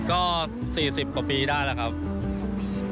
ก็สี่สิบกว่าปีได้แล้วครับสี่สิบกว่าปี